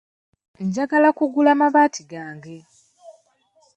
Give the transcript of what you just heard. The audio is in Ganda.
Njagala kugula mabaati gange.